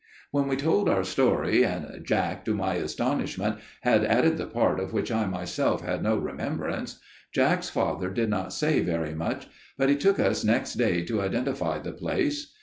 "When we told our story, and Jack, to my astonishment, had added the part of which I myself had no remembrance, Jack's father did not say very much; but he took us next day to identify the place.